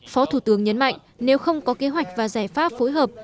phó thủ tướng nhấn mạnh nếu không có kế hoạch và giải pháp phối hợp